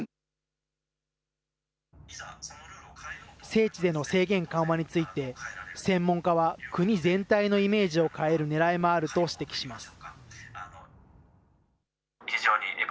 聖地での制限緩和について、専門家は国全体のイメージを変えるねらいもあると指摘します。